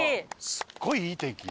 すっごいいい天気。